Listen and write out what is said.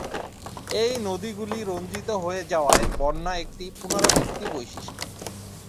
এই নদীগুলি রঞ্জিত হয়ে যাওয়ায়, বন্যা একটি পুনরাবৃত্তি বৈশিষ্ট্য।